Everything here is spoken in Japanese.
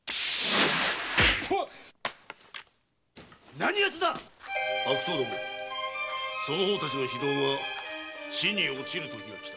何奴だっ⁉悪党どもその方たちの非道が地に堕ちるときがきた。